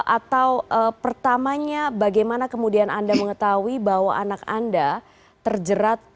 atau pertamanya bagaimana kemudian anda mengetahui bahwa anak anda terjerat